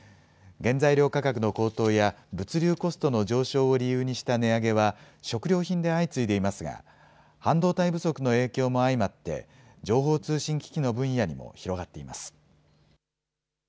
原材料価格の高騰や、物流コストの上昇を理由にした値上げは、食料品で相次いでいますが、半導体不足の影響も相まって、情報通信機器の分野にも広がっています。